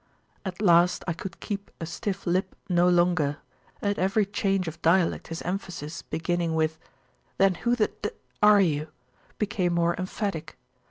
At last I could keep a stiff lip no longer; at every change of dialect his emphasis beginning with Then who the d are you? became more emphatic.